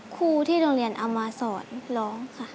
ครูที่โรงเรียนเอามาสอนร้องค่ะ